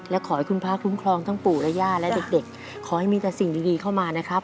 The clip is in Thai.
และขอให้คุณพระคุ้มครองทั้งปู่และย่าและเด็กขอให้มีแต่สิ่งดีเข้ามานะครับ